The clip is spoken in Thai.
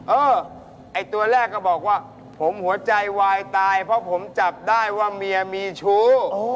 เออไอ้ตัวแรกก็บอกว่าผมหัวใจวายตายเพราะผมจับได้ว่าเมียมีชู้